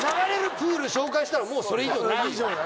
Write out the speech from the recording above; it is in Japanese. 流れるプール紹介したらもうそれ以上ないよ。